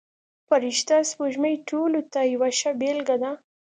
فرشته سپوږمۍ ټولو ته یوه ښه بېلګه ده.